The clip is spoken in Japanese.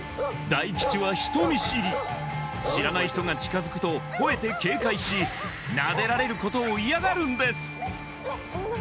大吉は人見知り知らない人が近づくとほえて警戒しなでられることを嫌がるんです